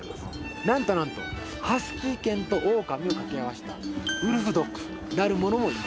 なんとなんとハスキー犬とオオカミを掛け合わせたウルフドッグなるものもいます。